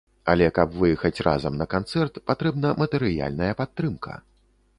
Але каб выехаць разам на канцэрт, патрэбна матэрыяльная падтрымка.